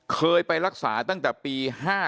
เคยไปรักษาตั้งแต่ปี๕๗